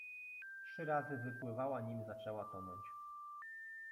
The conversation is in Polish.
Trzy razy wypływała, nim zaczęła tonąć.